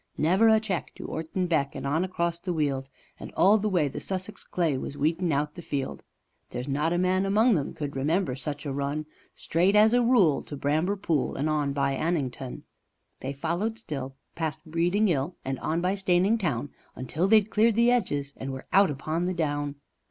Never a check to 'Orton Beck and on across the Weald, And all the way the Sussex clay was weed in' out the field. There's not a man among them could remember such a run, Straight as a rule to Bramber Pool and on by Annington, They followed still past Breeding 'ill and on by Steyning Town, Until they'd cleared the 'edges and were out upon the Down.